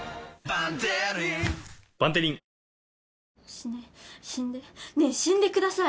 死ね死んでねぇ死んでください！